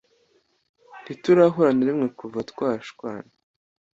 Ntiturahura narimwe kuva twashwana